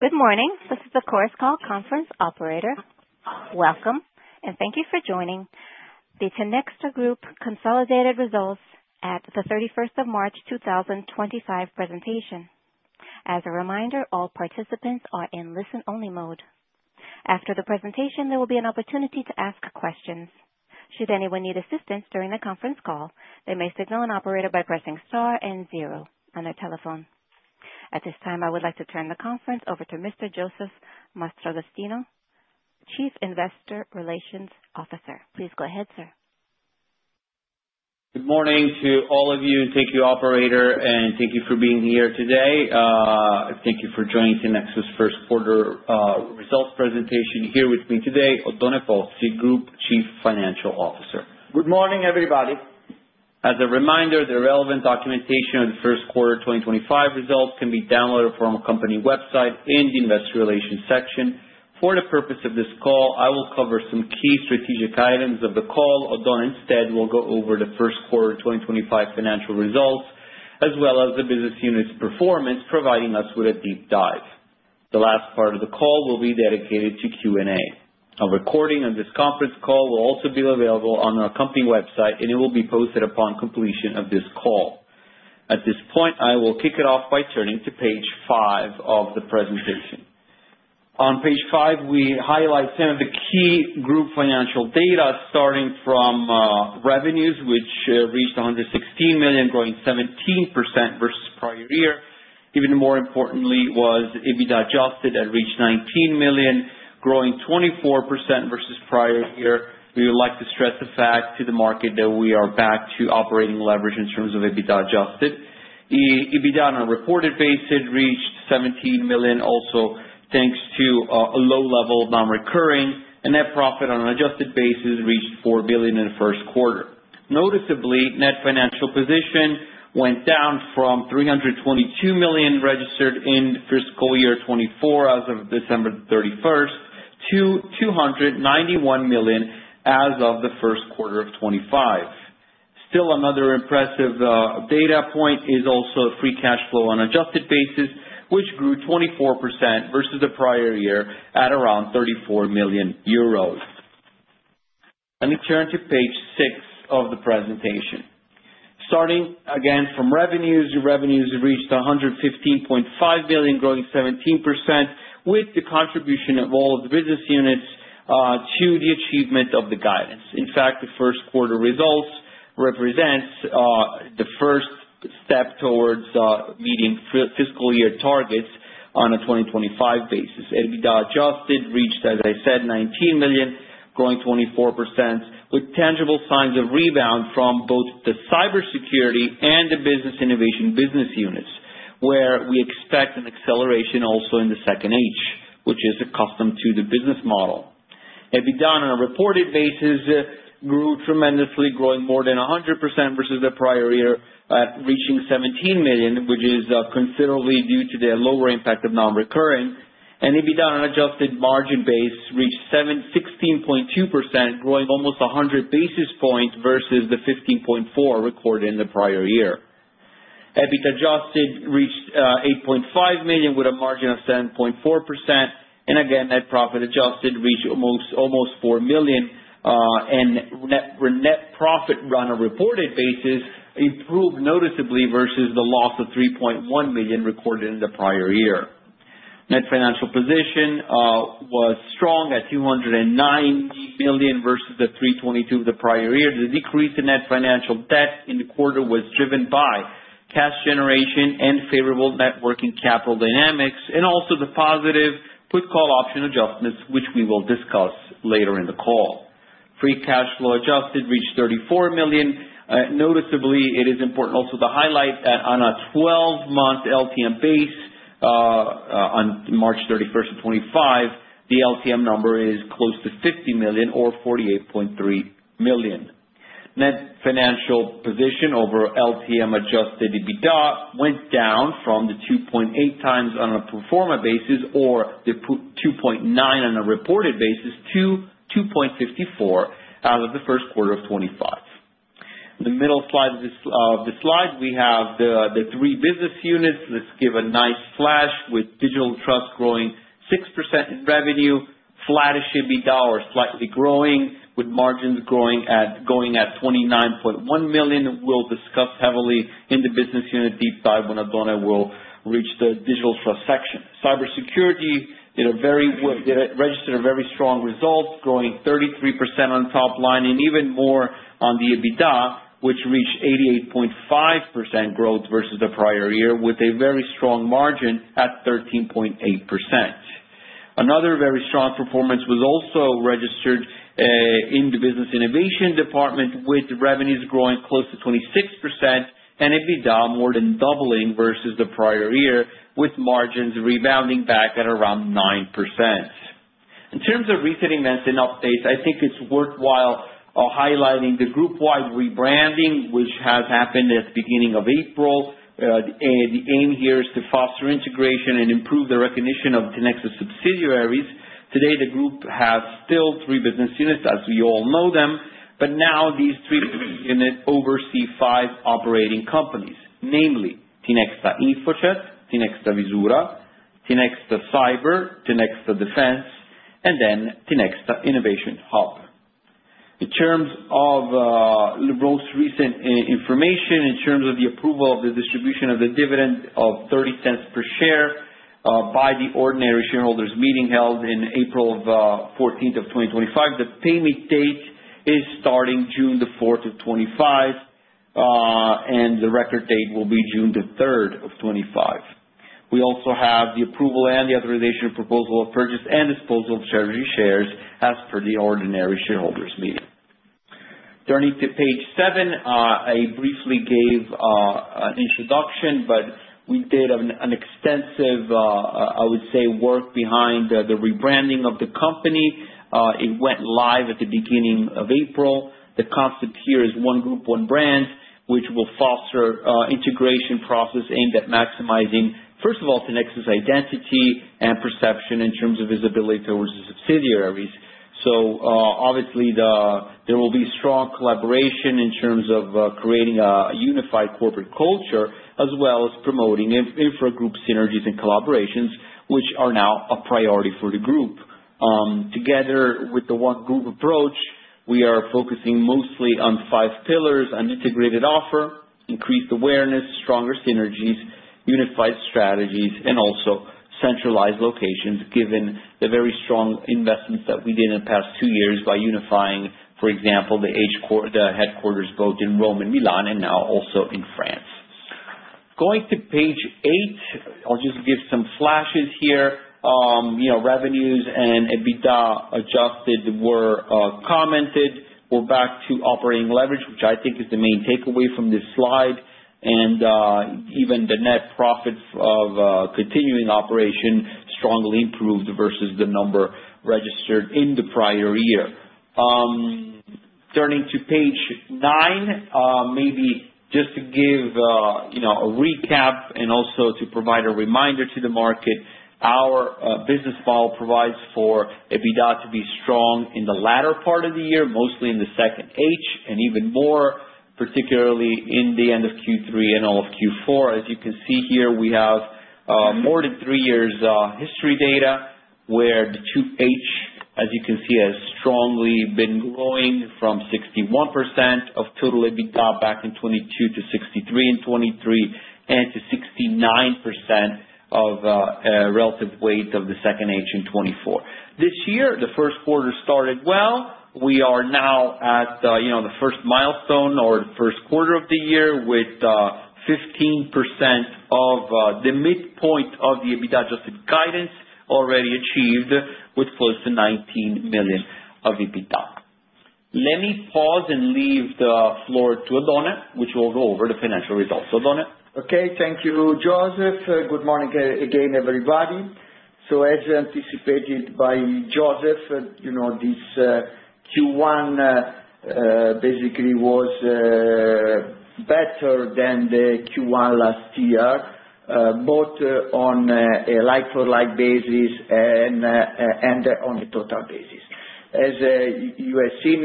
Good morning. This is the Course Call Conference Operator. Welcome, and thank you for joining the Tinexta Group Consolidated Results at the 31st of March, 2025 presentation. As a reminder, all participants are in listen-only mode. After the presentation, there will be an opportunity to ask questions. Should anyone need assistance during the conference call, they may signal an operator by pressing star and zero on their telephone. At this time, I would like to turn the conference over to Mr. Josef Mastragostino, Chief Investor Relations Officer. Please go ahead, sir. Good morning to all of you, and thank you, Operator, and thank you for being here today. Thank you for joining Tinexta's first quarter results presentation. Here with me today, Oddone Pozzi, Group Chief Financial Officer. Good morning, everybody. As a reminder, the relevant documentation of the first quarter 2025 results can be downloaded from our company website in the Investor Relations section. For the purpose of this call, I will cover some key strategic items of the call. Oddone instead will go over the first quarter 2025 financial results, as well as the business unit's performance, providing us with a deep dive. The last part of the call will be dedicated to Q&A. A recording of this conference call will also be available on our company website, and it will be posted upon completion of this call. At this point, I will kick it off by turning to page five of the presentation. On page five, we highlight some of the key group financial data, starting from revenues, which reached 116 million, growing 17% versus prior year. Even more importantly, it was EBITDA adjusted and reached 19 million, growing 24% versus prior year. We would like to stress the fact to the market that we are back to operating leverage in terms of EBITDA adjusted. EBITDA on a reported basis reached 17 million, also thanks to a low level of non-recurring. Net profit on an adjusted basis reached 4 million in the first quarter. Noticeably, net financial position went down from 322 million registered in fiscal year 2024 as of December 31st to 291 million as of the first quarter of 2025. Still, another impressive data point is also free cash flow on an adjusted basis, which grew 24% versus the prior year at around 34 million euros. Let me turn to page six of the presentation. Starting again from revenues, revenues reached 115.5 million, growing 17% with the contribution of all of the business units to the achievement of the guidance. In fact, the first quarter results represent the first step towards meeting fiscal year targets on a 2025 basis. EBITDA adjusted reached, as I said, 19 million, growing 24% with tangible signs of rebound from both the cybersecurity and the business innovation business units, where we expect an acceleration also in the second age, which is accustomed to the business model. EBITDA on a reported basis grew tremendously, growing more than 100% versus the prior year, reaching 17 million, which is considerably due to the lower impact of non-recurring. EBITDA on an adjusted margin base reached 16.2%, growing almost 100 basis points versus the 15.4% recorded in the prior year. EBITDA adjusted reached 8.5 million with a margin of 7.4%. Net profit adjusted reached almost 4 million. Net profit run on a reported basis improved noticeably versus the loss of 3.1 million recorded in the prior year. Net financial position was strong at 290 million versus the 322 million of the prior year. The decrease in net financial debt in the quarter was driven by cash generation and favorable net working capital dynamics, and also the positive put and call option adjustments, which we will discuss later in the call. Free cash flow adjusted reached 34 million. Noticeably, it is important also to highlight that on a 12-month LTM base on March 31st, 2025, the LTM number is close to 50 million or 48.3 million. Net financial position over LTM adjusted EBITDA went down from the 2.8 times on a pro forma basis or the 2.9 on a reported basis to 2.54 out of the first quarter of 2025. In the middle slide of the slide, we have the three business units. Let's give a nice flash with digital trust growing 6% in revenue, flat as EBITDA or slightly growing, with margins going at 29.1 million. We'll discuss heavily in the business unit deep dive when Oddone will reach the digital trust section. Cybersecurity registered a very strong result, growing 33% on top line and even more on the EBITDA, which reached 88.5% growth versus the prior year with a very strong margin at 13.8%. Another very strong performance was also registered in the business innovation department with revenues growing close to 26% and EBITDA more than doubling versus the prior year, with margins rebounding back at around 9%. In terms of recent events and updates, I think it's worthwhile highlighting the group-wide rebranding, which has happened at the beginning of April. The aim here is to foster integration and improve the recognition of Tinexta subsidiaries. Today, the group has still three business units as we all know them, but now these three business units oversee five operating companies, namely Tinexta InfoCert, Tinexta Vizura, Tinexta Cyber, Tinexta Defense, and then Tinexta Innovation Hub. In terms of the most recent information, in terms of the approval of the distribution of the dividend of 0.30 per share by the ordinary shareholders meeting held in April 14th of 2025, the payment date is starting June 4th of 2025, and the record date will be June 3rd of 2025. We also have the approval and the authorization proposal of purchase and disposal of Treasury shares as per the ordinary shareholders meeting. Turning to page seven, I briefly gave an introduction, but we did an extensive, I would say, work behind the rebranding of the company. It went live at the beginning of April. The concept here is one group, one brand, which will foster an integration process aimed at maximizing, first of all, Tinexta's identity and perception in terms of visibility towards the subsidiaries. Obviously, there will be strong collaboration in terms of creating a unified corporate culture as well as promoting infra group synergies and collaborations, which are now a priority for the group. Together with the one group approach, we are focusing mostly on five pillars: an integrated offer, increased awareness, stronger synergies, unified strategies, and also centralized locations, given the very strong investments that we did in the past two years by unifying, for example, the headquarters both in Rome and Milan and now also in France. Going to page eight, I'll just give some flashes here. Revenues and EBITDA adjusted were commented. We're back to operating leverage, which I think is the main takeaway from this slide. Even the net profit of continuing operation strongly improved versus the number registered in the prior year. Turning to page nine, maybe just to give a recap and also to provide a reminder to the market, our business model provides for EBITDA to be strong in the latter part of the year, mostly in the second H and even more, particularly in the end of Q3 and all of Q4. As you can see here, we have more than three years' history data where the two H, as you can see, has strongly been growing from 61% of total EBITDA back in 2022-63% in 2023 and-69% of relative weight of the second H in 2024. This year, the first quarter started well. We are now at the first milestone or the first quarter of the year with 15% of the midpoint of the EBITDA adjusted guidance already achieved with close to 19 million of EBITDA. Let me pause and leave the floor to Oddone, which will go over the financial results. Oddone? Okay. Thank you, Josef. Good morning again, everybody. As anticipated by Josef, this Q1 basically was better than the Q1 last year, both on a like-for-like basis and on a total basis. As you have seen,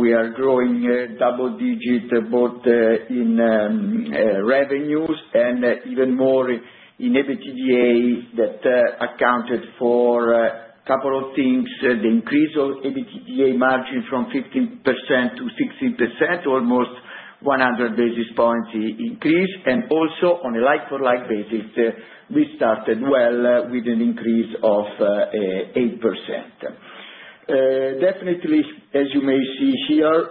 we are growing double-digit both in revenues and even more in EBITDA that accounted for a couple of things: the increase of EBITDA margin from 15%-16%, almost 100 basis points increase. Also on a like-for-like basis, we started well with an increase of 8%. Definitely, as you may see here,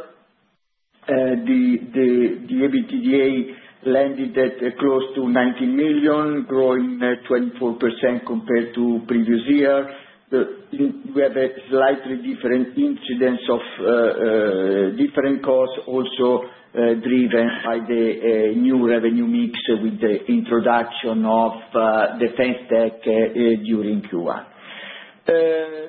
the EBITDA landed at close to 19 million, growing 24% compared to previous year. We have a slightly different incidence of different costs also driven by the new revenue mix with the introduction of defense tech during Q1.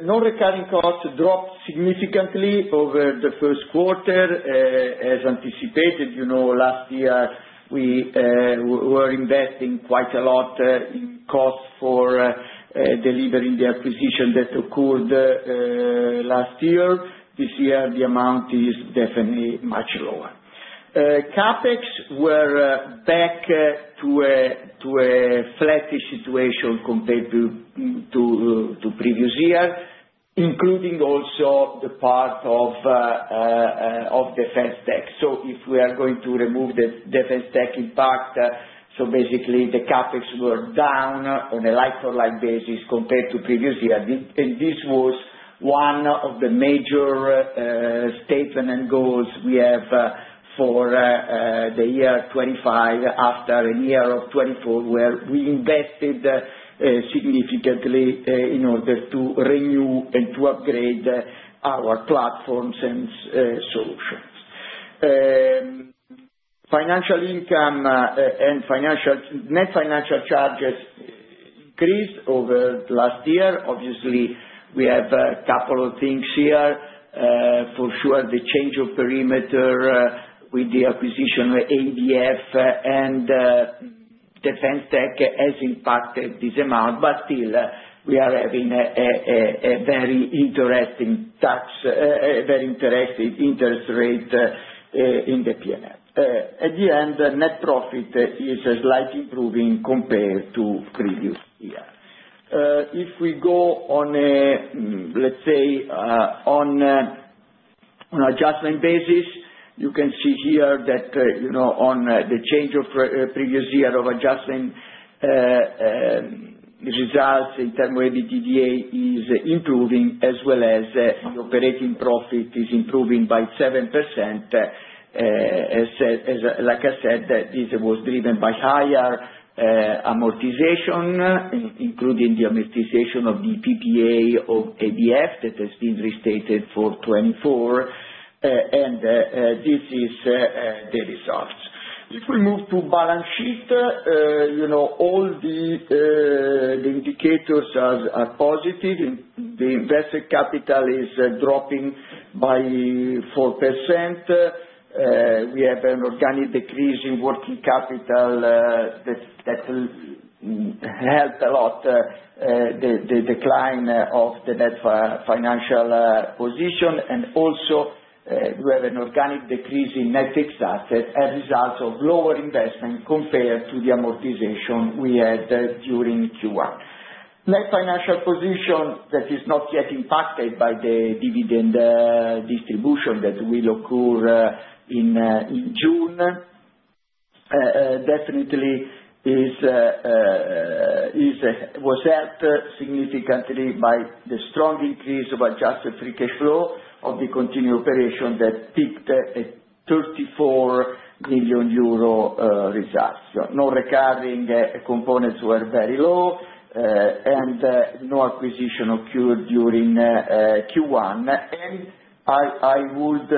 Non-recurring costs dropped significantly over the first quarter. As anticipated, last year we were investing quite a lot in costs for delivering the acquisition that occurred last year. This year, the amount is definitely much lower. CapEx were back to a flat situation compared to previous year, including also the part of Defense Tech. If we are going to remove the Defense Tech impact, basically the CapEx were down on a like-for-like basis compared to previous year. This was one of the major statements and goals we have for the year 2025 after a year of 2024, where we invested significantly in order to renew and to upgrade our platforms and solutions. Financial income and net financial charges increased over the last year. Obviously, we have a couple of things here. For sure, the change of perimeter with the acquisition of ABF and Defense Tech has impacted this amount. Still, we are having a very interesting tax, a very interesting interest rate in the P&L. At the end, net profit is slightly improving compared to previous year. If we go on, let's say, on an adjustment basis, you can see here that on the change of previous year of adjustment results in terms of EBITDA is improving as well as the operating profit is improving by 7%. Like I said, this was driven by higher amortization, including the amortization of the PPA of ABF that has been restated for 2024. This is the results. If we move to balance sheet, all the indicators are positive. The invested capital is dropping by 4%. We have an organic decrease in working capital that helped a lot the decline of the net financial position. We have an organic decrease in net excess as a result of lower investment compared to the amortization we had during Q1. Net financial position that is not yet impacted by the dividend distribution that will occur in June definitely was helped significantly by the strong increase of adjusted free cash flow of the continued operation that peaked at EUR 34 million results. Non-recurring components were very low and no acquisition occurred during Q1. I would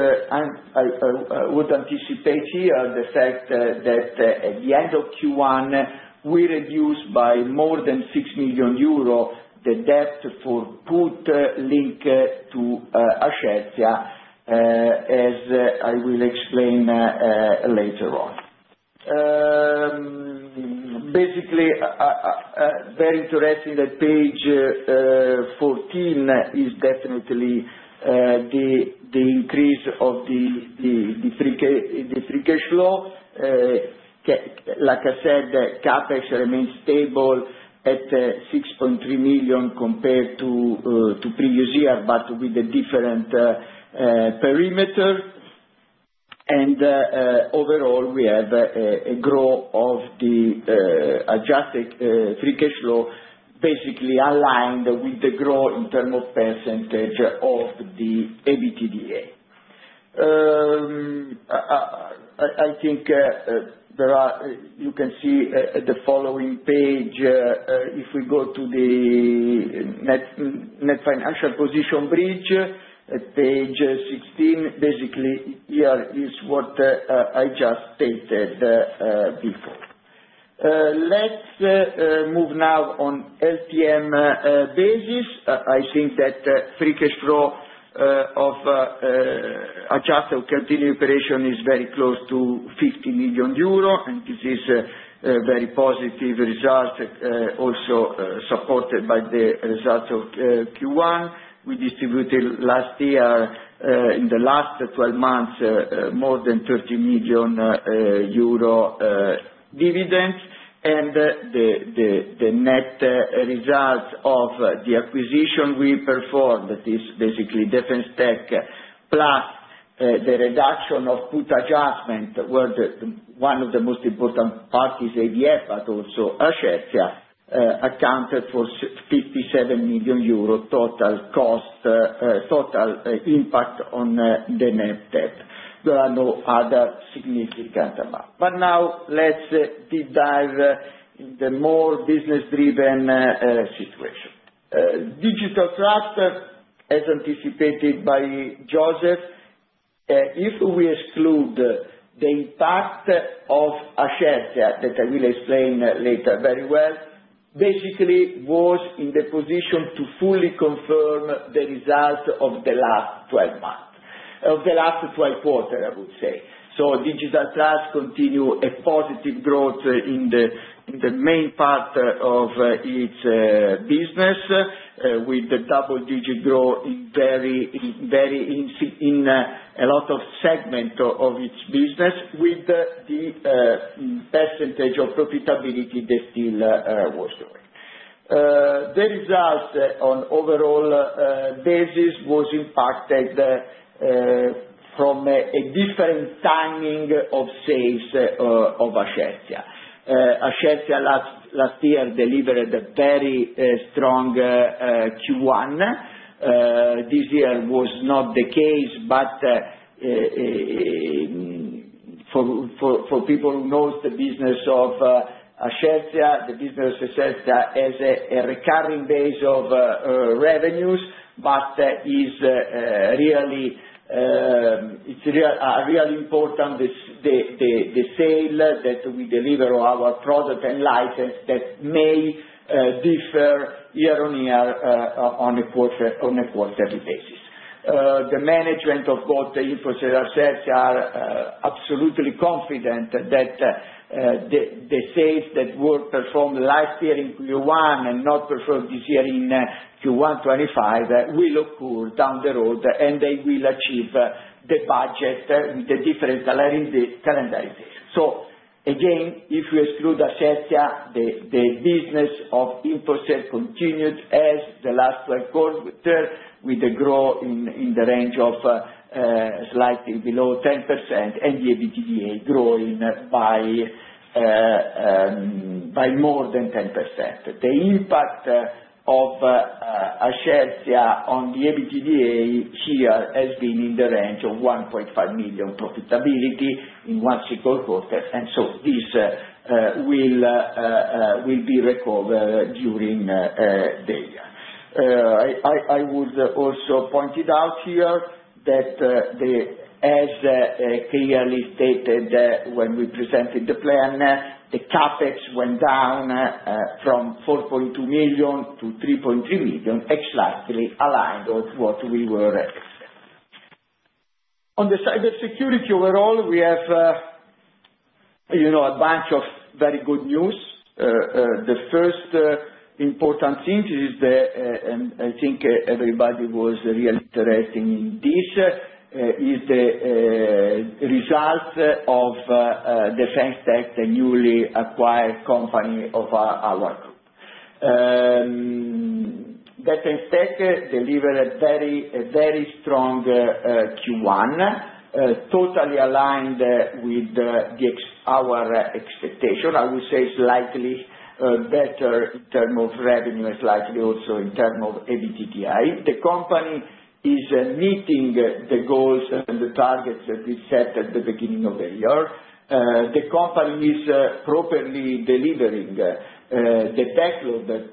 anticipate here the fact that at the end of Q1, we reduced by more than 6 million euros the debt for put linked to Ashetia, as I will explain later on. Basically, very interesting that page 14 is definitely the increase of the free cash flow. Like I said, CapEx remains stable at 6.3 million compared to previous year, but with a different perimeter. Overall, we have a growth of the adjusted free cash flow basically aligned with the growth in terms of % of the EBITDA. I think you can see the following page. If we go to the net financial position bridge, at page 16, basically here is what I just stated before. Let's move now on LTM basis. I think that free cash flow of adjusted continued operation is very close to EUR 50 million, and this is a very positive result also supported by the result of Q1. We distributed last year in the last 12 months more than 30 million euro dividends. The net result of the acquisition we performed, that is basically Defense Tech plus the reduction of put adjustment, where one of the most important parties, ABF, but also Ashetia, accounted for EUR 57 million total impact on the net debt. There are no other significant amounts. Now let's deep dive in the more business-driven situation. Digital trust, as anticipated by Josef, if we exclude the impact of Ashetia, that I will explain later very well, basically was in the position to fully confirm the result of the last 12 months, of the last 12 quarters, I would say. Digital trust continued a positive growth in the main part of its business with the double-digit growth in a lot of segments of its business with the percentage of profitability that still was growing. The result on overall basis was impacted from a different timing of sales of Ashetia. Ashetia last year delivered a very strong Q1. This year was not the case, but for people who know the business of Ashetia, the business of Ashetia has a recurring base of revenues, but it's really important the sale that we deliver of our product and license that may differ year on year on a quarterly basis. The management of both the infra and Ashetia are absolutely confident that the sales that were performed last year in Q1 and not performed this year in Q1 2025 will occur down the road and they will achieve the budget with a different calendar year. If we exclude Ashetia, the business of infra continued as the last 12 quarters with a growth in the range of slightly below 10% and the EBITDA growing by more than 10%. The impact of Ashetia on the EBITDA here has been in the range of 1.5 million profitability in one single quarter. This will be recovered during the year. I would also point it out here that as clearly stated when we presented the plan, the CapEx went down from 4.2 million to 3.3 million, exactly aligned with what we were expecting. On the cybersecurity overall, we have a bunch of very good news. The first important thing is, and I think everybody was really interested in this, is the result of Defense Tech, the newly acquired company of our group. Defense Tech delivered a very strong Q1, totally aligned with our expectation. I would say it is slightly better in terms of revenue, slightly also in terms of EBITDA. The company is meeting the goals and the targets that we set at the beginning of the year. The company is properly delivering the backlog that,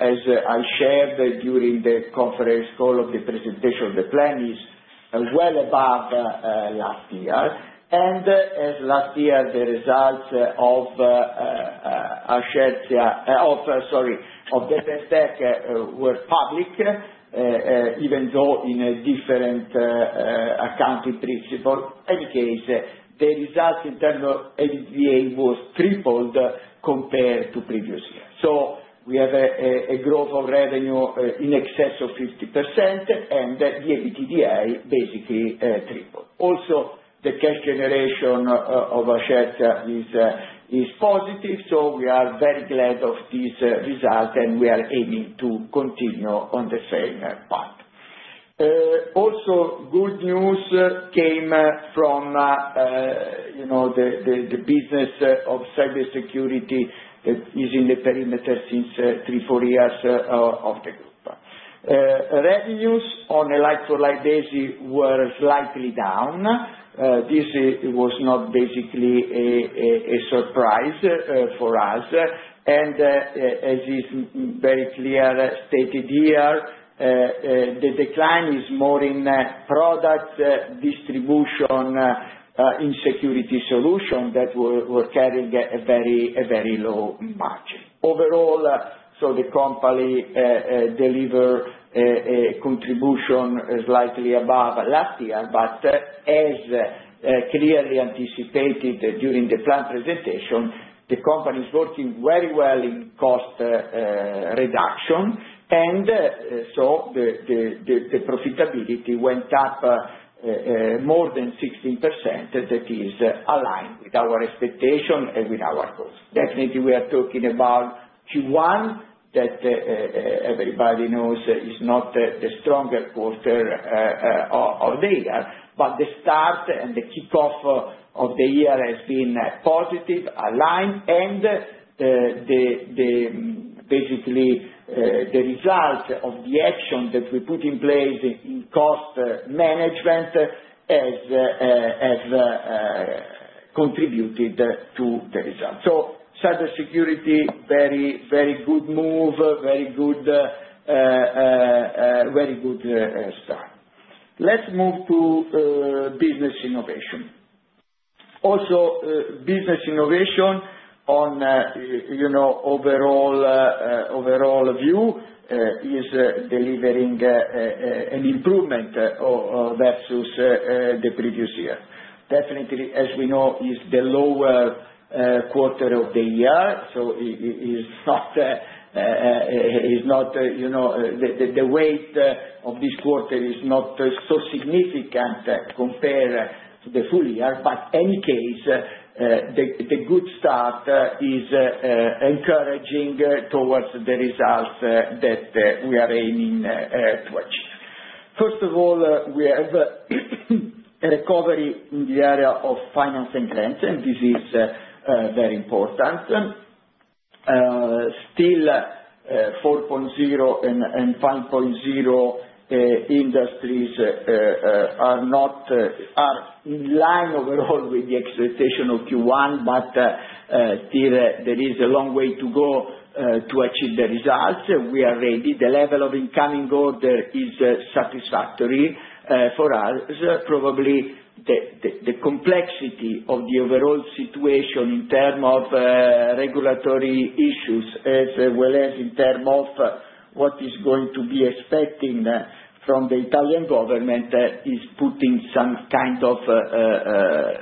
as I shared during the conference call of the presentation of the plan, is well above last year. As last year, the results of Ashetia of Defense Tech were public, even though in a different accounting principle. In any case, the result in terms of EBITDA was tripled compared to previous year. We have a growth of revenue in excess of 50%, and the EBITDA basically tripled. Also, the cash generation of Ashetia is positive. We are very glad of this result, and we are aiming to continue on the same path. Also, good news came from the business of cybersecurity that is in the perimeter since three-four years of the group. Revenues on a like-for-like basis were slightly down. This was not basically a surprise for us. As is very clearly stated here, the decline is more in product distribution in security solutions that were carrying a very low margin. Overall, the company delivered a contribution slightly above last year, but as clearly anticipated during the plan presentation, the company is working very well in cost reduction. The profitability went up more than 16%, which is aligned with our expectation and with our goals. Definitely, we are talking about Q1 that everybody knows is not the strongest quarter of the year, but the start and the kickoff of the year has been positive, aligned. Basically, the result of the action that we put in place in cost management has contributed to the result. Cybersecurity, very good move, very good start. Let's move to business innovation. Also, business innovation on overall view is delivering an improvement versus the previous year. Definitely, as we know, is the lower quarter of the year. The weight of this quarter is not so significant compared to the full year. In any case, the good start is encouraging towards the results that we are aiming to achieve. First of all, we have a recovery in the area of finance and grants, and this is very important. Still, 4.0 and 5.0 industries are in line overall with the expectation of Q1, but still there is a long way to go to achieve the results. We are ready. The level of incoming order is satisfactory for us. Probably the complexity of the overall situation in terms of regulatory issues, as well as in terms of what is going to be expected from the Italian government, is putting some kind of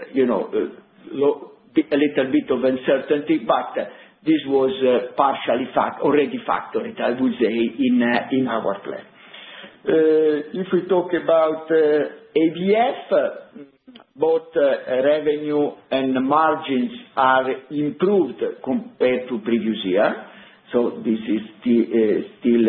a little bit of uncertainty, but this was partially already factored, I would say, in our plan. If we talk about ABF, both revenue and margins are improved compared to previous year. This is still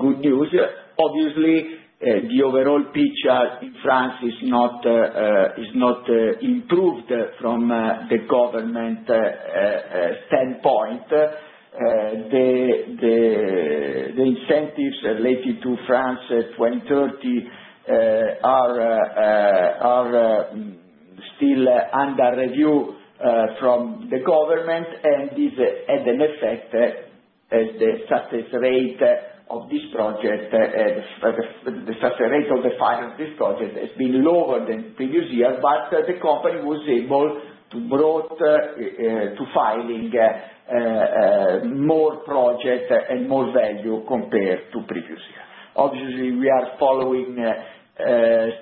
good news. Obviously, the overall picture in France is not improved from the government standpoint. The incentives related to France 2030 are still under review from the government. This had an effect as the success rate of this project, the success rate of the filing of this project has been lower than previous year, but the company was able to brought to filing more projects and more value compared to previous year. Obviously, we are following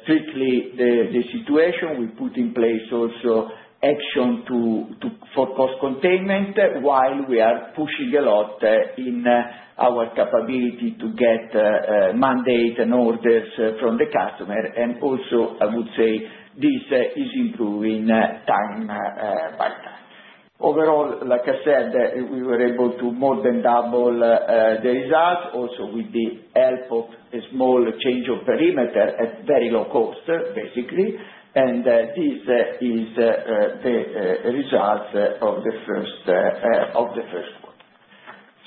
strictly the situation. We put in place also action to forecast containment while we are pushing a lot in our capability to get mandates and orders from the customer. I would say this is improving time by time. Overall, like I said, we were able to more than double the results, also with the help of a small change of perimeter at very low cost, basically. This is the result of the first quarter.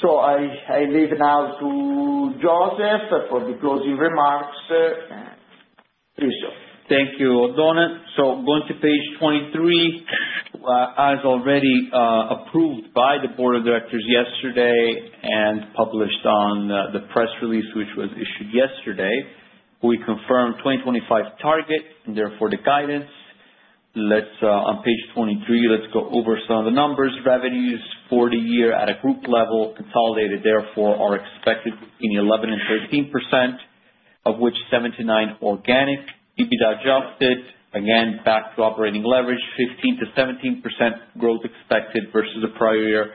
I leave now to Josef for the closing remarks. Please, Josef. Thank you, Oddone. Going to page 23, as already approved by the board of directors yesterday and published on the press release which was issued yesterday, we confirmed 2025 target and therefore the guidance. On page 23, let's go over some of the numbers. Revenues for the year at a group level consolidated therefore are expected between 11%-13%, of which 7%-9% organic. EBITDA adjusted, again, back to operating leverage, 15%-17% growth expected versus the prior year,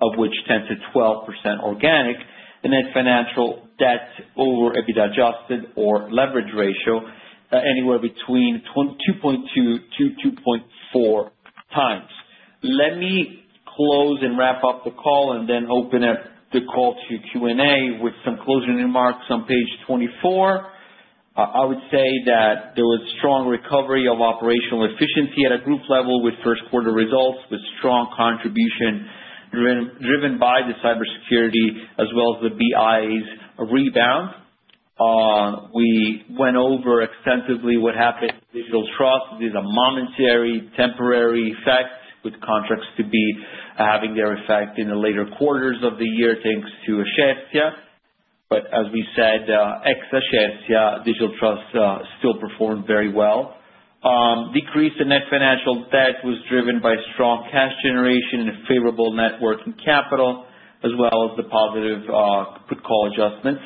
of which 10%-12% organic. Net financial debt over EBITDA adjusted or leverage ratio anywhere between 2.2-2.4 times. Let me close and wrap up the call and then open up the call to Q&A with some closing remarks on page 24. I would say that there was strong recovery of operational efficiency at a group level with first quarter results, with strong contribution driven by the cybersecurity as well as the BI's rebound. We went over extensively what happened in digital trust. This is a momentary temporary effect with contracts to be having their effect in the later quarters of the year thanks to Ashetia. As we said, ex-Ashetia, digital trust still performed very well. Decrease in net financial debt was driven by strong cash generation and favorable net working capital, as well as the positive quick call adjustments.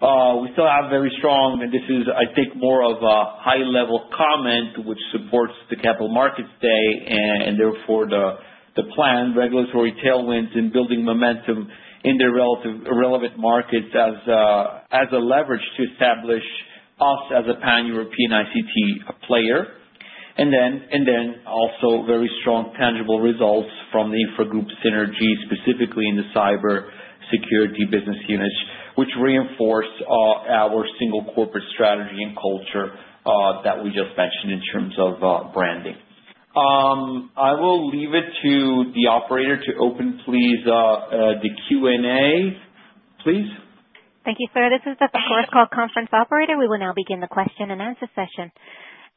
We still have very strong, and this is, I think, more of a high-level comment which supports the capital markets today and therefore the plan, regulatory tailwinds in building momentum in the relevant markets as a leverage to establish us as a pan-European ICT player. There are also very strong tangible results from the intra-group synergy, specifically in the cybersecurity business units, which reinforced our single corporate strategy and culture that we just mentioned in terms of branding. I will leave it to the operator to open, please, the Q&A. Please. Thank you, sir. This is the first call conference operator. We will now begin the question and answer session.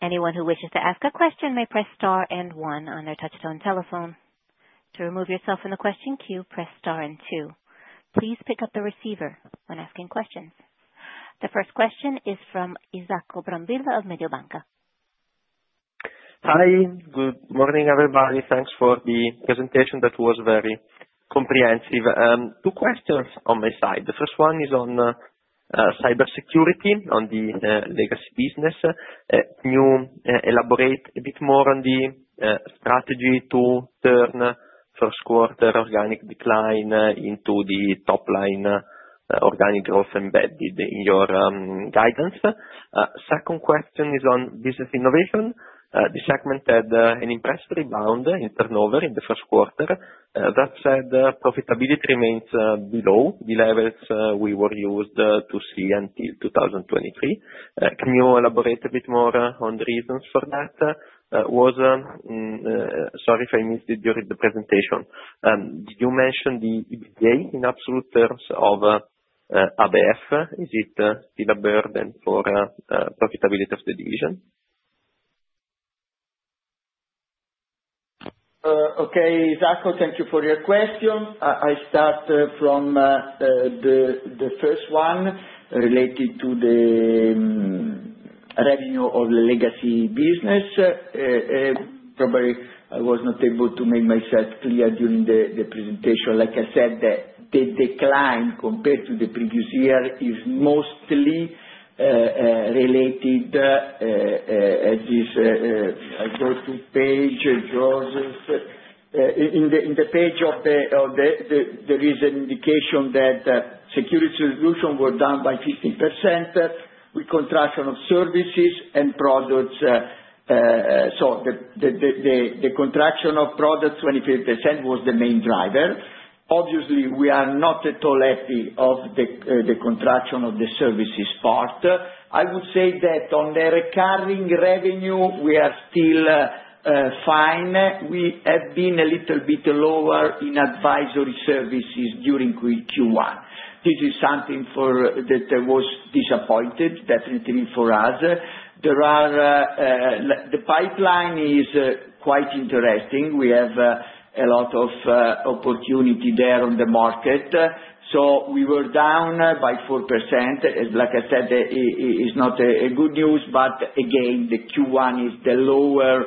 Anyone who wishes to ask a question may press star and one on their touchstone telephone. To remove yourself from the question queue, press star and two. Please pick up the receiver when asking questions. The first question is from Isacco Brambilla of Mediobanca. Hi. Good morning, everybody. Thanks for the presentation that was very comprehensive. Two questions on my side. The first one is on cybersecurity on the legacy business. Can you elaborate a bit more on the strategy to turn first quarter organic decline into the top-line organic growth embedded in your guidance? Second question is on business innovation. The segment had an impressive rebound in turnover in the first quarter. That said, profitability remains below the levels we were used to see until 2023. Can you elaborate a bit more on the reasons for that? Sorry if I missed it during the presentation. Did you mention the EBITDA in absolute terms of ABF? Is it still a burden for profitability of the division? Okay, Isacco, thank you for your question. I start from the first one related to the revenue of the legacy business. Probably I was not able to make myself clear during the presentation. Like I said, the decline compared to the previous year is mostly related, as is I go to page Josef. In the page of the reason indication that cybersecurity solutions were down by 15% with contraction of services and products. The contraction of products, 25%, was the main driver. Obviously, we are not at all happy of the contraction of the services part. I would say that on the recurring revenue, we are still fine. We have been a little bit lower in advisory services during Q1. This is something that was disappointing, definitely for us. The pipeline is quite interesting. We have a lot of opportunity there on the market. We were down by 4%. Like I said, it's not good news, but again, the Q1 is the lower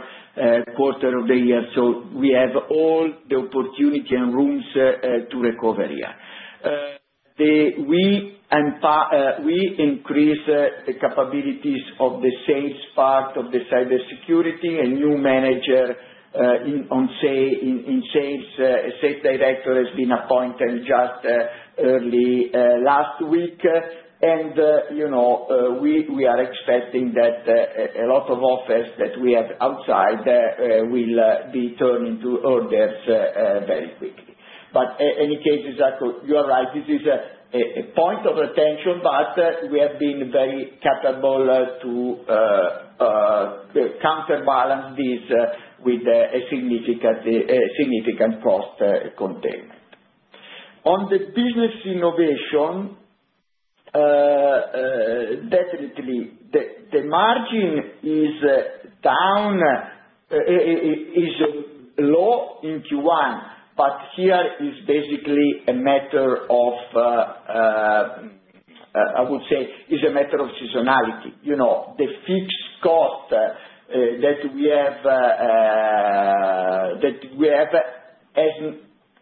quarter of the year. We have all the opportunity and rooms to recover here. We increased the capabilities of the sales part of the cybersecurity. A new manager in sales director has been appointed just early last week. We are expecting that a lot of offers that we have outside will be turned into orders very quickly. In any case, Isacco, you are right. This is a point of attention, but we have been very capable to counterbalance this with a significant cost containment. On the business innovation, definitely the margin is down, is low in Q1, but here is basically a matter of, I would say, is a matter of seasonality. The fixed cost that we have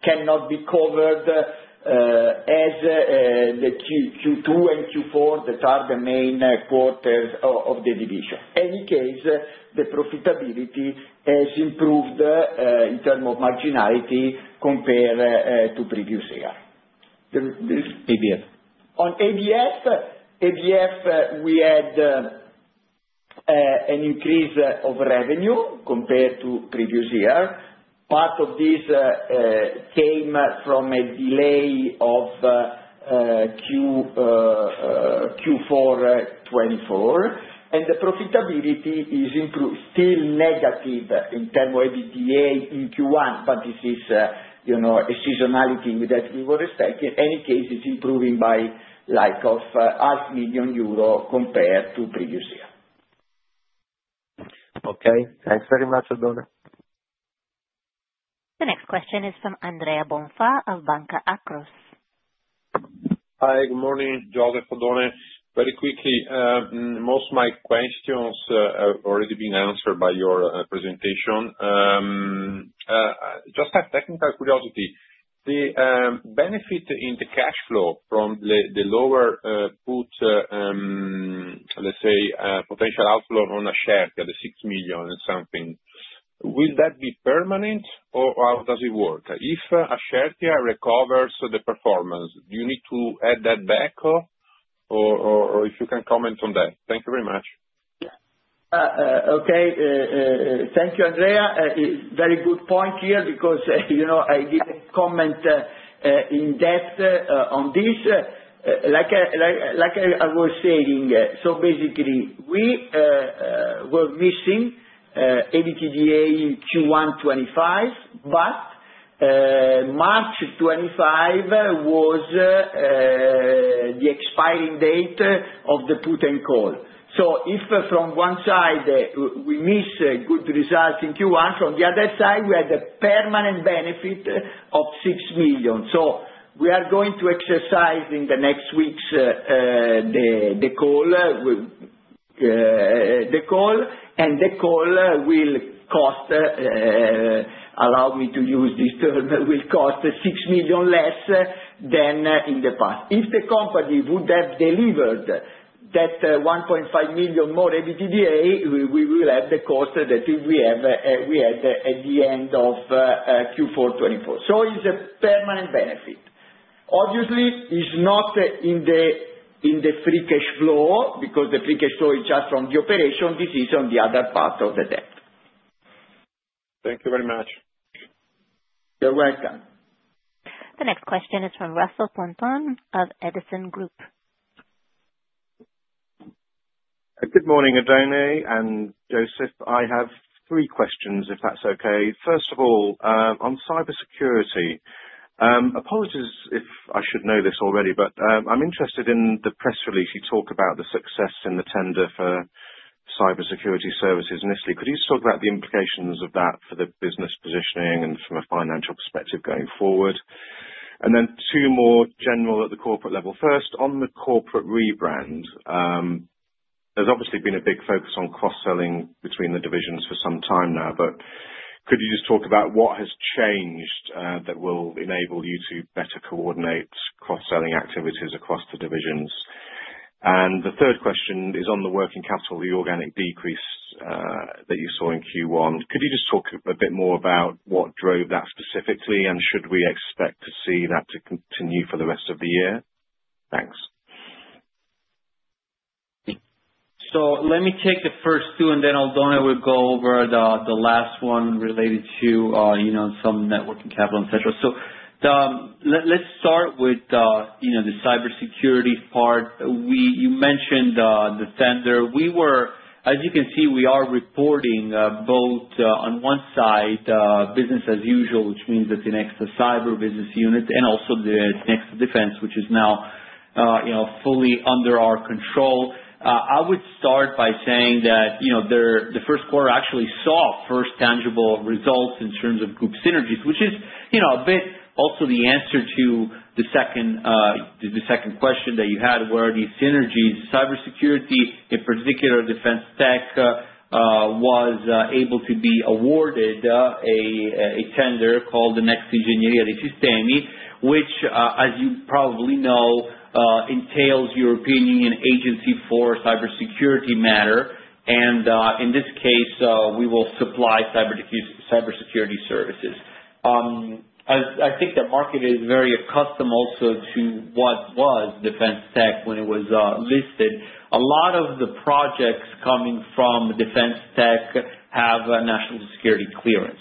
cannot be covered as the Q2 and Q4 that are the main quarters of the division. In any case, the profitability has improved in terms of marginality compared to previous year. ABF. On ABF, we had an increase of revenue compared to previous year. Part of this came from a delay of Q4 2024. And the profitability is still negative in terms of EBITDA in Q1, but this is a seasonality that we were expecting. In any case, it's improving by like 500,000 euro compared to previous year. Okay. Thanks very much, Oddone. The next question is from Andrea Bonfà of Banca Akros. Hi, good morning, Josef, Oddone. Very quickly, most of my questions have already been answered by your presentation. Just a technical curiosity. The benefit in the cash flow from the lower put, let's say, potential outflow on Ashetia at the 6 million and something, will that be permanent or how does it work? If Ashetia recovers the performance, do you need to add that back or if you can comment on that? Thank you very much. Okay. Thank you, Andrea. Very good point here because I didn't comment in depth on this. Like I was saying, so basically, we were missing EBITDA in Q1 2025, but March 2025 was the expiring date of the put and call. If from one side we miss good results in Q1, from the other side, we had a permanent benefit of 6 million. We are going to exercise in the next weeks the call, and the call will cost, allow me to use this term, will cost 6 million less than in the past. If the company would have delivered that 1.5 million more EBITDA, we will have the cost that we had at the end of Q4 2024. It is a permanent benefit. Obviously, it is not in the free cash flow because the free cash flow is just from the operation. This is on the other part of the debt. Thank you very much. You are welcome. The next question is from Russell Pointon of Edison Group. Good morning, Oddone and Josef. I have three questions, if that is okay. First of all, on cybersecurity, apologies if I should know this already, but I am interested in the press release you talk about the success in the tender for cybersecurity services. Initially, could you just talk about the implications of that for the business positioning and from a financial perspective going forward? Then two more general at the corporate level. First, on the corporate rebrand, there's obviously been a big focus on cross-selling between the divisions for some time now, but could you just talk about what has changed that will enable you to better coordinate cross-selling activities across the divisions? The third question is on the working capital, the organic decrease that you saw in Q1. Could you just talk a bit more about what drove that specifically, and should we expect to see that continue for the rest of the year? Thanks. Let me take the first two, and then Oddone will go over the last one related to some networking capital, etc. Let's start with the cybersecurity part. You mentioned the tender. As you can see, we are reporting both on one side, business as usual, which means that the Tinexta Cyber business unit and also Tinexta Defense, which is now fully under our control. I would start by saying that the first quarter actually saw first tangible results in terms of group synergies, which is a bit also the answer to the second question that you had, where the synergies, cybersecurity, in particular Defense Tech, was able to be awarded a tender called the Next Ingegneria dei Sistemi, which, as you probably know, entails European Union Agency for Cybersecurity matter. In this case, we will supply cybersecurity services. I think the market is very accustomed also to what was Defense Tech when it was listed. A lot of the projects coming from Defense Tech have a national security clearance.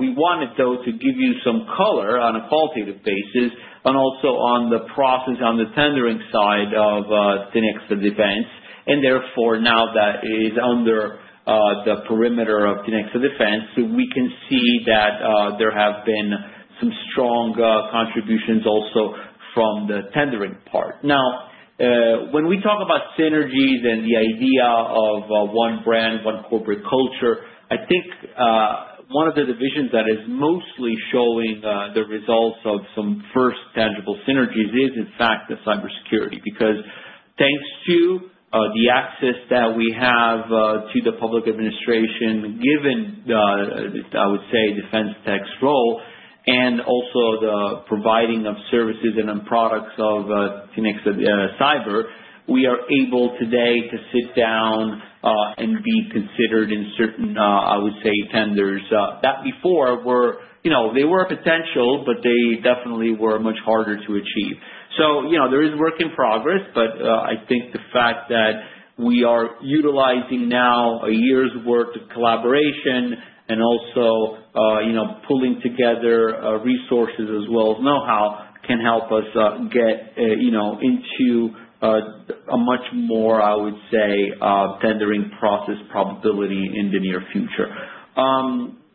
We wanted, though, to give you some color on a qualitative basis and also on the process, on the tendering side of the next defense. Therefore, now that is under the perimeter of the next defense, we can see that there have been some strong contributions also from the tendering part. Now, when we talk about synergies and the idea of one brand, one corporate culture, I think one of the divisions that is mostly showing the results of some first tangible synergies is, in fact, the cybersecurity because thanks to the access that we have to the public administration, given, I would say, Defense Tech's role and also the providing of services and products of cyber, we are able today to sit down and be considered in certain, I would say, tenders. That before, they were a potential, but they definitely were much harder to achieve. There is work in progress, but I think the fact that we are utilizing now a year's worth of collaboration and also pulling together resources as well as know-how can help us get into a much more, I would say, tendering process probability in the near future.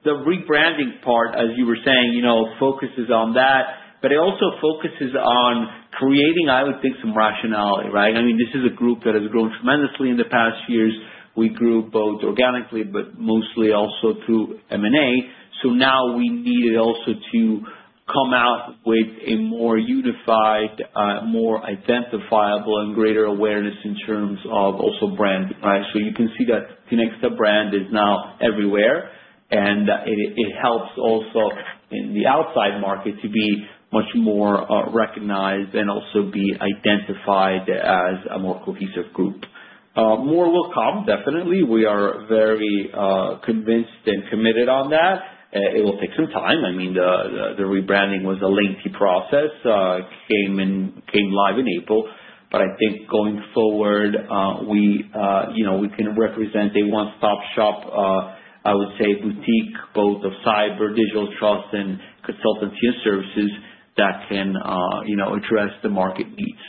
The rebranding part, as you were saying, focuses on that, but it also focuses on creating, I would think, some rationality. Right? I mean, this is a group that has grown tremendously in the past years. We grew both organically, but mostly also through M&A. Now we needed also to come out with a more unified, more identifiable, and greater awareness in terms of also brand. Right? You can see that the next brand is now everywhere, and it helps also in the outside market to be much more recognized and also be identified as a more cohesive group. More will come, definitely. We are very convinced and committed on that. It will take some time. I mean, the rebranding was a lengthy process. It came live in April, but I think going forward, we can represent a one-stop shop, I would say, boutique, both of cyber, digital trust, and consultancy and services that can address the market needs.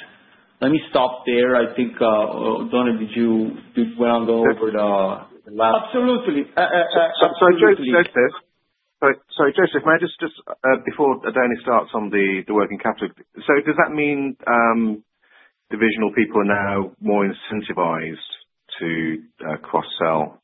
Let me stop there. I think, Oddone, did you want to go over the last? Absolutely. Absolutely. Sorry, Josef. Sorry, Josef, may I just before Oddone starts on the working capital, so does that mean divisional people are now more incentivized to cross-sell?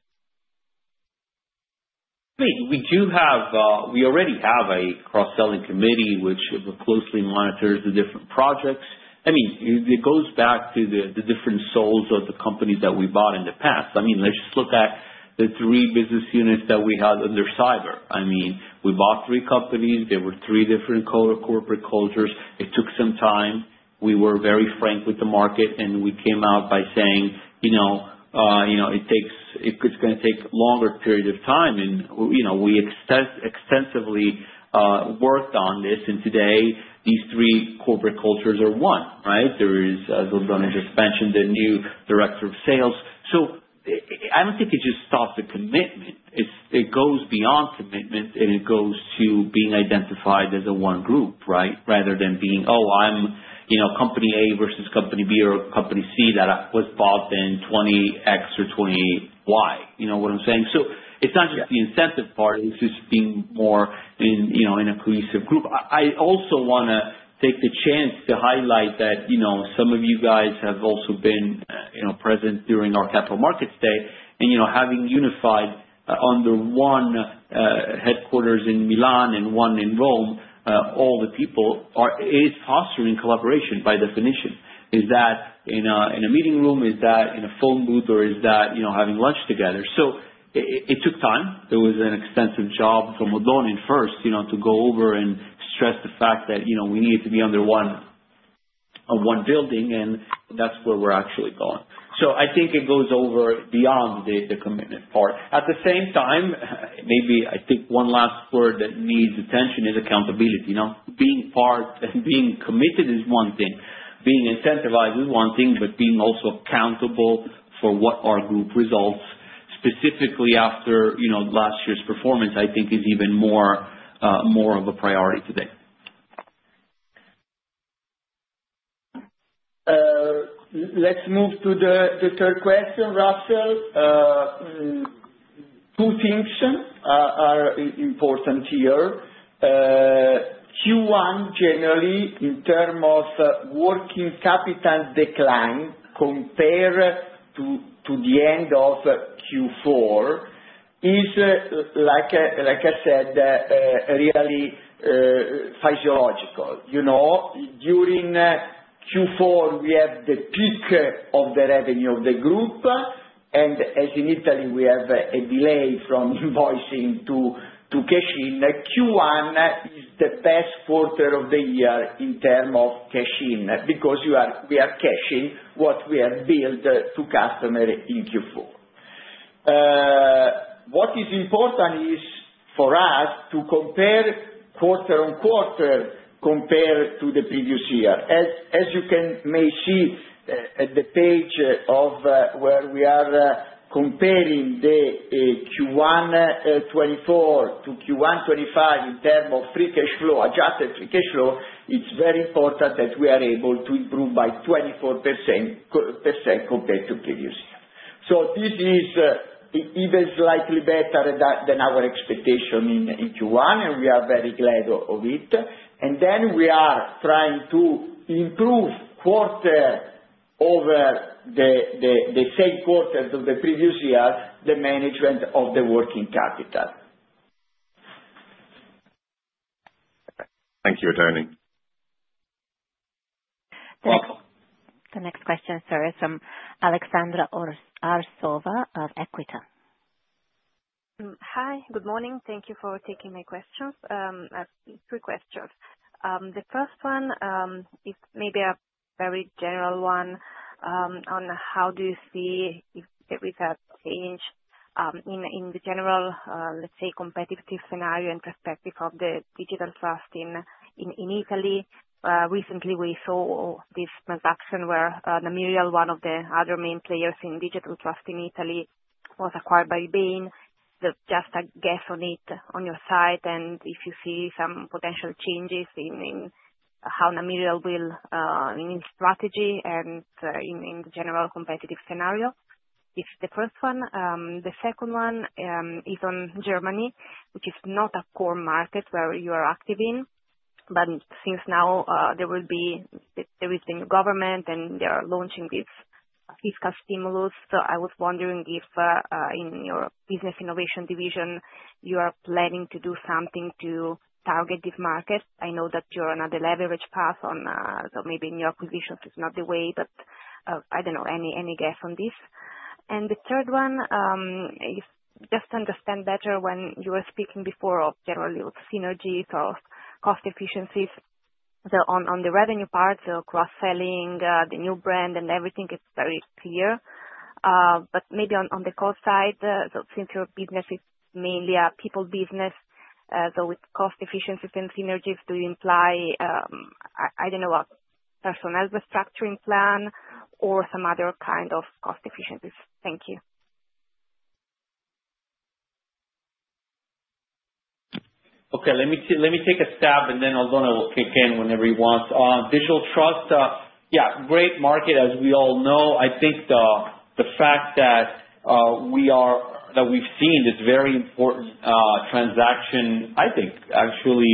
We do have. We already have a cross-selling committee which closely monitors the different projects. I mean, it goes back to the different souls of the companies that we bought in the past. I mean, let's just look at the three business units that we had under cyber. I mean, we bought three companies. There were three different corporate cultures. It took some time. We were very frank with the market, and we came out by saying, "It's going to take a longer period of time." We extensively worked on this. Today, these three corporate cultures are one. Right? There is, as Oddone just mentioned, the new Director of Sales. I don't think it just stops at commitment. It goes beyond commitment, and it goes to being identified as one group, right, rather than being, "Oh, I'm company A versus company B or company C that was bought in 20X or 20Y." You know what I'm saying? It's not just the incentive part. It's just being more in a cohesive group. I also want to take the chance to highlight that some of you guys have also been present during our capital markets day. Having unified under one headquarters in Milan and one in Rome, all the people is fostering collaboration by definition. Is that in a meeting room? Is that in a phone booth? Is that having lunch together? It took time. It was an extensive job from Oddone first to go over and stress the fact that we needed to be under one building, and that's where we're actually going. I think it goes over beyond the commitment part. At the same time, maybe I think one last word that needs attention is accountability. Being part and being committed is one thing. Being incentivized is one thing, but being also accountable for what our group results, specifically after last year's performance, I think is even more of a priority today. Let's move to the third question, Russell. Two things are important here. Q1, generally, in terms of working capital decline compared to the end of Q4 is, like I said, really physiological. During Q4, we have the peak of the revenue of the group. And as in Italy, we have a delay from invoicing to cash in. Q1 is the best quarter of the year in terms of cash in because we are cashing what we have billed to customers in Q4. What is important is for us to compare quarter on quarter compared to the previous year. As you may see at the page of where we are comparing the Q1 2024-Q1 2025 in terms of free cash flow, adjusted free cash flow, it's very important that we are able to improve by 24% compared to previous year. This is even slightly better than our expectation in Q1, and we are very glad of it. We are trying to improve quarter over the same quarter of the previous year, the management of the working capital. Thank you, Oddone. The next question, sorry, is from Alexandra Arzova of Equita. Hi. Good morning. Thank you for taking my questions. Two questions. The first one is maybe a very general one on how do you see if there is a change in the general, let's say, competitive scenario and perspective of the digital trust in Italy. Recently, we saw this transaction where Namirial, one of the other main players in digital trust in Italy, was acquired by Bain. Just a guess on it on your side, and if you see some potential changes in how Namirial will in its strategy and in the general competitive scenario. This is the first one. The second one is on Germany, which is not a core market where you are active in. Since now there will be the recent government, and they are launching this fiscal stimulus. I was wondering if in your business innovation division, you are planning to do something to target this market. I know that you're on a leverage path, so maybe in your acquisitions, it's not the way, but I don't know any guess on this. The third one is just to understand better when you were speaking before of generally synergies or cost efficiencies. On the revenue part, cross-selling, the new brand, and everything is very clear. Maybe on the cost side, since your business is mainly a people business, with cost efficiencies and synergies, do you imply, I do not know, a personnel restructuring plan or some other kind of cost efficiencies? Thank you. Okay. Let me take a stab, and then Oddone will kick in whenever he wants. Digital trust, yeah, great market, as we all know. I think the fact that we have seen this very important transaction, I think, actually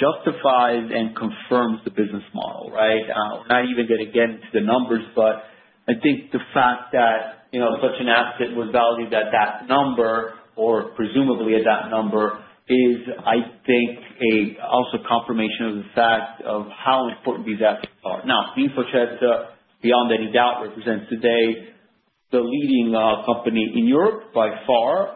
justifies and confirms the business model. Right? Not even that it gets to the numbers, but I think the fact that such an asset was valued at that number or presumably at that number is, I think, also a confirmation of the fact of how important these assets are. Now, beyond any doubt, represents today the leading company in Europe by far.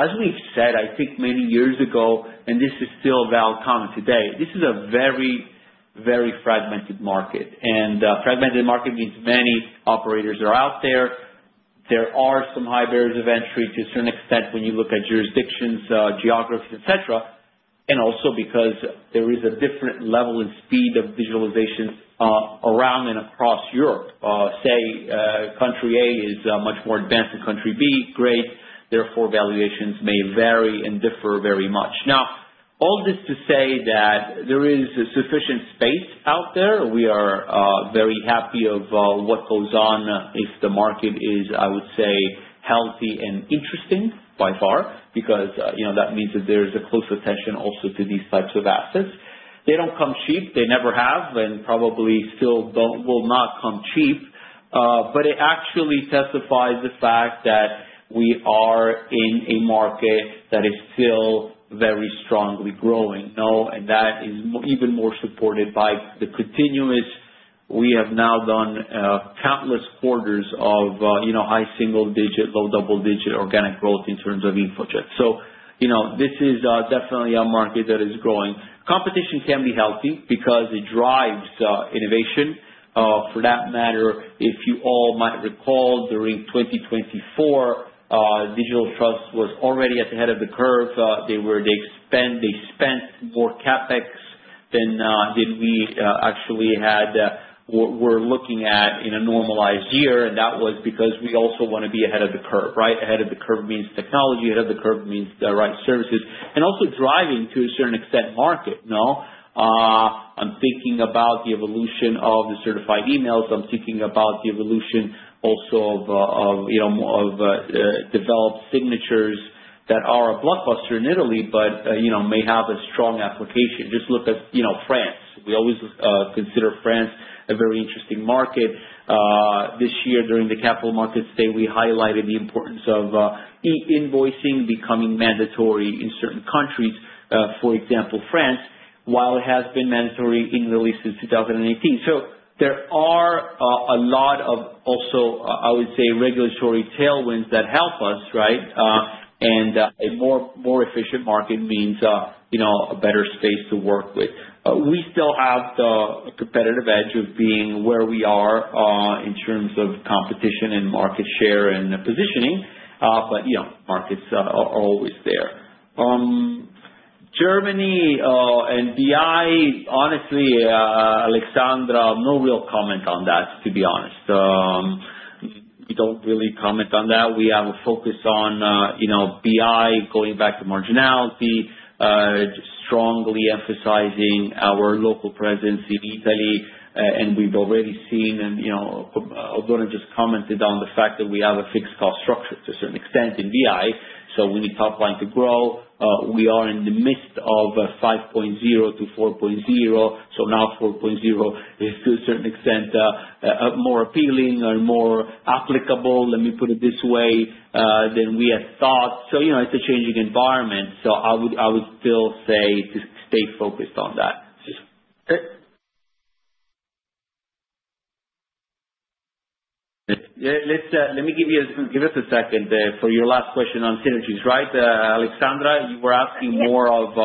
As we've said, I think many years ago, and this is still a valid comment today, this is a very, very fragmented market. Fragmented market means many operators are out there. There are some high barriers of entry to a certain extent when you look at jurisdictions, geographies, etc., and also because there is a different level and speed of digitalization around and across Europe. Say country A is much more advanced than country B, great. Therefore, valuations may vary and differ very much. Now, all this to say that there is sufficient space out there. We are very happy of what goes on if the market is, I would say, healthy and interesting by far because that means that there is a close attention also to these types of assets. They do not come cheap. They never have and probably still will not come cheap. It actually testifies the fact that we are in a market that is still very strongly growing. That is even more supported by the continuous, we have now done countless quarters of high single-digit, low double-digit organic growth in terms of InfoCert. This is definitely a market that is growing. Competition can be healthy because it drives innovation. For that matter, if you all might recall, during 2024, digital trust was already at the head of the curve. They spent more CapEx than we actually were looking at in a normalized year. That was because we also want to be ahead of the curve. Right? Ahead of the curve means technology. Ahead of the curve means the right services and also driving to a certain extent market. I'm thinking about the evolution of the certified emails. I'm thinking about the evolution also of developed signatures that are a blockbuster in Italy but may have a strong application. Just look at France. We always consider France a very interesting market. This year, during the capital markets day, we highlighted the importance of e-invoicing becoming mandatory in certain countries, for example, France, while it has been mandatory in Italy since 2018. There are a lot of also, I would say, regulatory tailwinds that help us. Right? A more efficient market means a better space to work with. We still have the competitive edge of being where we are in terms of competition and market share and positioning, but markets are always there. Germany and BI, honestly, Alexandra, no real comment on that, to be honest. We do not really comment on that. We have a focus on BI going back to marginality, strongly emphasizing our local presence in Italy. We have already seen, and Oddone just commented on the fact that we have a fixed cost structure to a certain extent in BI, so we need top line to grow. We are in the midst of 5.0-4.0. Now 4.0 is, to a certain extent, more appealing and more applicable, let me put it this way, than we had thought. It is a changing environment. I would still say to stay focused on that. Let me give you a second for your last question on synergies. Right? Alexandra, you were asking more of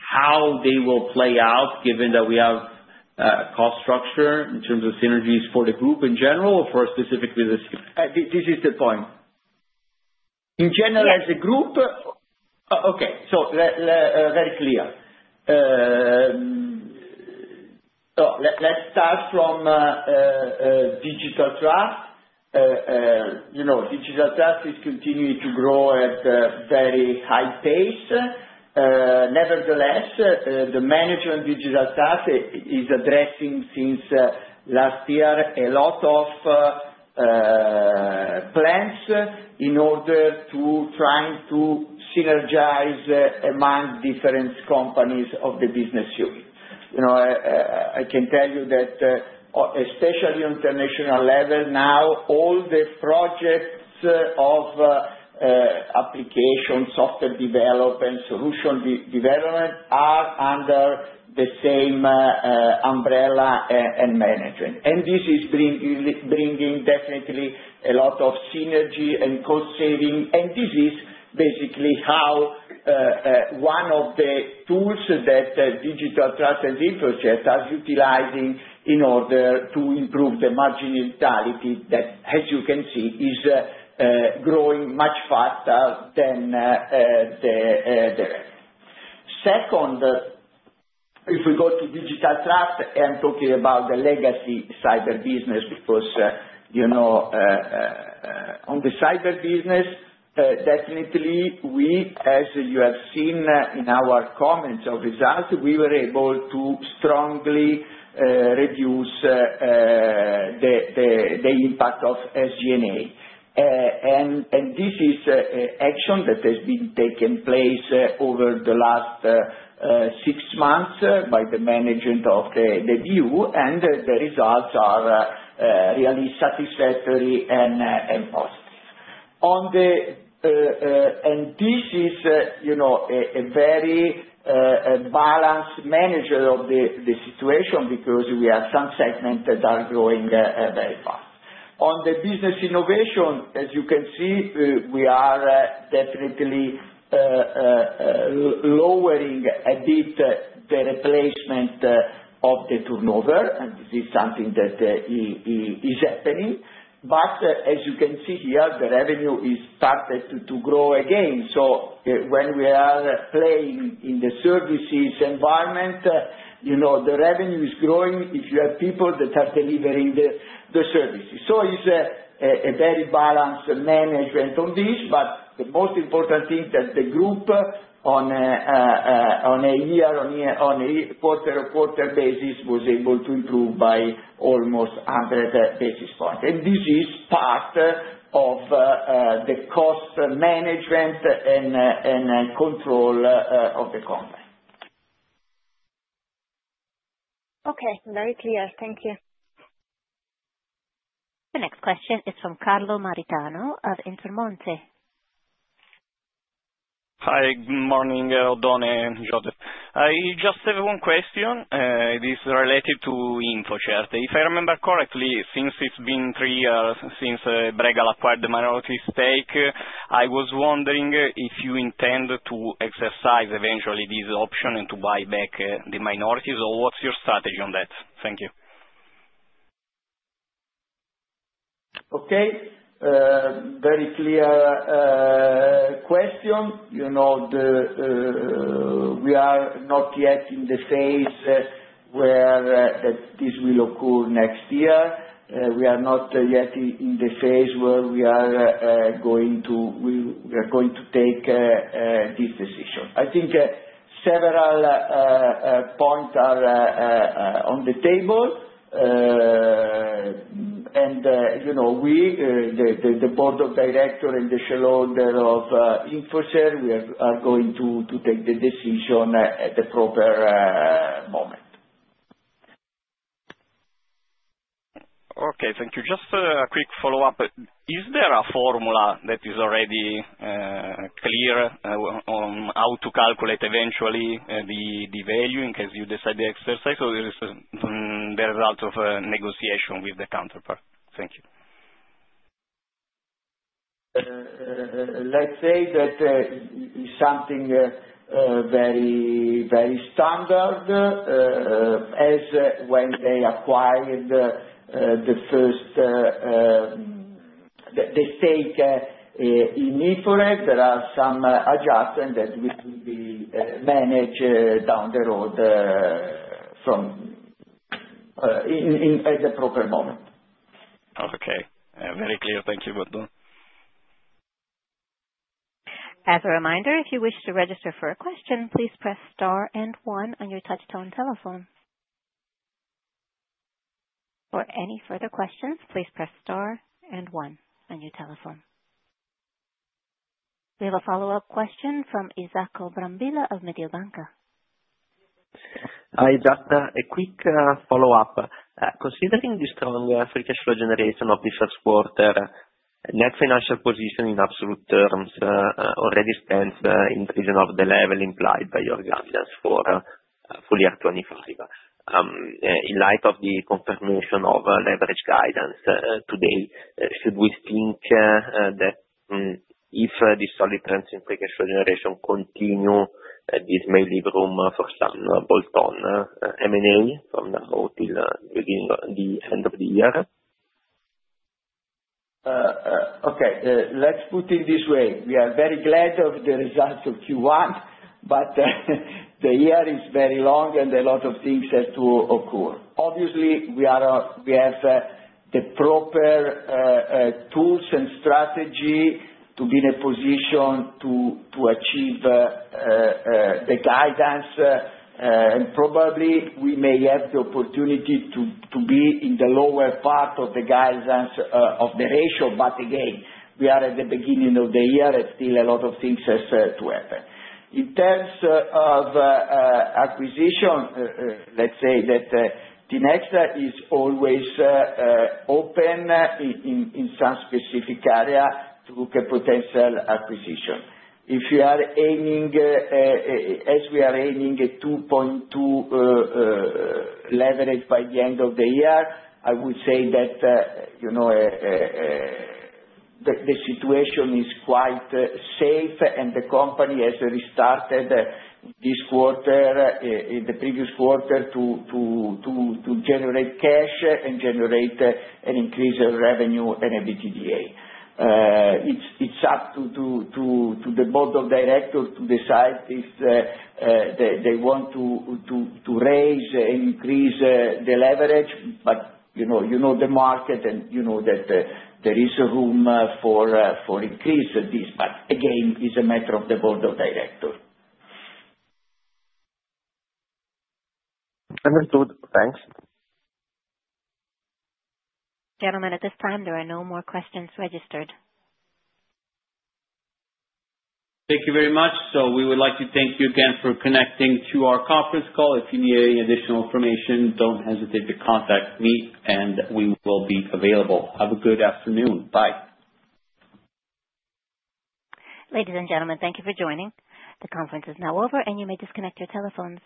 how they will play out given that we have a cost structure in terms of synergies for the group in general or for specific business. This is the point. In general, as a group, okay. So very clear. Let's start from digital trust. Digital trust is continuing to grow at a very high pace. Nevertheless, the management digital trust is addressing since last year a lot of plans in order to try to synergize among different companies of the business unit. I can tell you that, especially on international level now, all the projects of application software development, solution development are under the same umbrella and management. This is bringing definitely a lot of synergy and cost saving. This is basically how one of the tools that Digital Trust and InfoCert has utilized in order to improve the marginality that, as you can see, is growing much faster than the rest. Second, if we go to Digital Trust, I'm talking about the legacy cyber business because on the cyber business, definitely, we, as you have seen in our comments of results, we were able to strongly reduce the impact of SG&A. This is an action that has been taking place over the last six months by the management of the BU, and the results are really satisfactory and positive. This is a very balanced management of the situation because we have some segments that are growing very fast. On the Business Innovation, as you can see, we are definitely lowering a bit the replacement of the turnover. This is something that is happening. As you can see here, the revenue has started to grow again. When we are playing in the services environment, the revenue is growing if you have people that are delivering the services. It is a very balanced management on this. The most important thing is that the group on a year, on a quarter-on-quarter basis, was able to improve by almost 100 basis points. This is part of the cost management and control of the company. Okay. Very clear. Thank you. The next question is from Carlo Maritano of Intermonte. Hi. Good morning, Oddone and Josef. I just have one question. This is related to Beanfort. If I remember correctly, since it has been three years since Bregal acquired the minority stake, I was wondering if you intend to exercise eventually this option and to buy back the minorities, or what is your strategy on that? Thank you. Okay. Very clear question. We are not yet in the phase where this will occur next year. We are not yet in the phase where we are going to take this decision. I think several points are on the table. The board of directors and the shareholders of Bain Capital, we are going to take the decision at the proper moment. Okay. Thank you. Just a quick follow-up. Is there a formula that is already clear on how to calculate eventually the value in case you decide to exercise or is there a lot of negotiation with the counterpart? Thank you. Let's say that it's something very standard as when they acquired the first stake in InfoCert. There are some adjustments that will be managed down the road at the proper moment. Okay. Very clear. Thank you, Oddone. As a reminder, if you wish to register for a question, please press star and one on your touch-tone telephone. For any further questions, please press star and one on your telephone. We have a follow-up question from Isacco Brambilla of Mediobanca. Hi, Isacco. A quick follow-up. Considering the strong free cash flow generation of this first quarter, net financial position in absolute terms already stands in the region of the level implied by your guidance for full year 2025. In light of the confirmation of leverage guidance today, should we think that if the solid trends in free cash flow generation continue, this may leave room for some bolt-on M&A from now until the end of the year? Okay. Let's put it this way. We are very glad of the results of Q1, but the year is very long and a lot of things have to occur. Obviously, we have the proper tools and strategy to be in a position to achieve the guidance. Probably, we may have the opportunity to be in the lower part of the guidance of the ratio. Again, we are at the beginning of the year. It's still a lot of things have to happen. In terms of acquisition, let's say that Tinexta is always open in some specific area to look at potential acquisition. If you are aiming, as we are aiming, at 2.2 leverage by the end of the year, I would say that the situation is quite safe. The company has restarted this quarter, in the previous quarter, to generate cash and generate an increase in revenue and EBITDA. It's up to the board of directors to decide if they want to raise and increase the leverage. You know the market, and you know that there is room for increase at this. Again, it's a matter of the board of directors. Understood. Thanks. Gentlemen, at this time, there are no more questions registered. Thank you very much. We would like to thank you again for connecting to our conference call. If you need any additional information, don't hesitate to contact me, and we will be available. Have a good afternoon. Bye. Ladies and gentlemen, thank you for joining. The conference is now over, and you may disconnect your telephones.